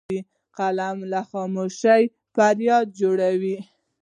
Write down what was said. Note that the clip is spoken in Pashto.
قلم له خاموشۍ فریاد جوړوي